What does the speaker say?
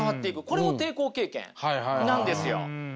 これも抵抗経験なんですよ。